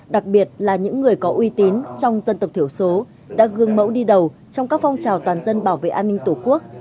đặc biệt là những người có uy tín trong dân tộc thiểu số đã gương mẫu đi đầu trong các phong trào toàn dân bảo vệ an ninh tổ quốc